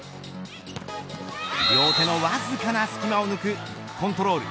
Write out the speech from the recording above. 両手のわずかな隙間を射抜くコントロール。